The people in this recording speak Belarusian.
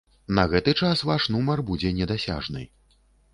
На гэты час ваш нумар будзе недасяжны.